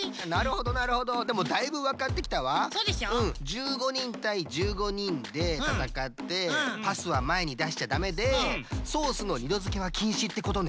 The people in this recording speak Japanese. １５にんたい１５にんでたたかってパスはまえにだしちゃダメでソースの２どづけはきんしってことね。